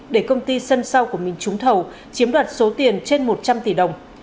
để công ty sân sau của mình trúng thầu chiếm đoạt số tiền trên một trăm linh tỷ đồng